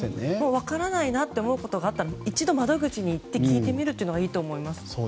分からないなと思うことがあったら一度窓口に行って聞いてみることがいいと思います。